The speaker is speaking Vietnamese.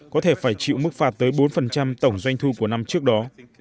có thể phải chịu mức phạt tới bốn tổng doanh thu của năm trước đó